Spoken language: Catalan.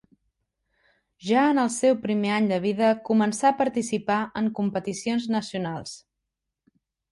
Ja en el seu primer any de vida començà a participar en competicions nacionals.